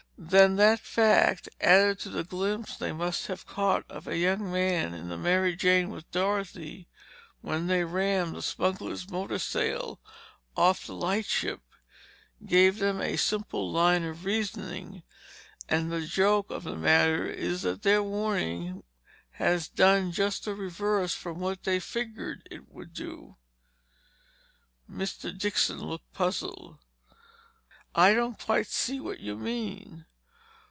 Then that fact, added to the glimpse they must have caught of a young man in the Mary Jane with Dorothy, when they rammed the smugglers' motor sailor off the lightship, gave them a simple line of reasoning. And the joke of the matter is that their warning has done just the reverse from what they figured it would do!" Mr. Dixon looked puzzled. "I don't quite see what you mean?"